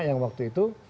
yang waktu itu